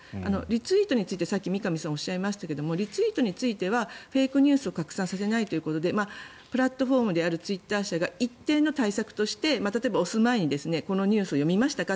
リツイートについてさっき三上さんもおっしゃいましたがリツイートについても拡散させないということでプラットフォームであるツイッター社が一定の対策として例えば押す前にこのニュースを読みましたか？